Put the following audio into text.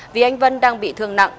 vì anh vân đang bị thương nặng